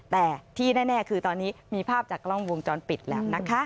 แต่ที่แน่คือตอนนี้มีภาพจากกล้องวงจรปิดแล้วนะคะ